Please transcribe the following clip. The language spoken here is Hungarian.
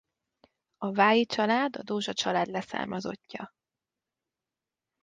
A Vályi család a Dózsa család leszármazottja.